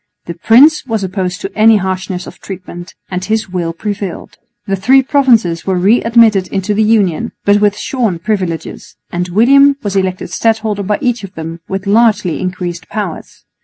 The prince was opposed to any harshness of treatment, and his will prevailed. The three provinces were re admitted into the Union, but with shorn privileges; and William was elected stadholder by each of them with largely increased powers.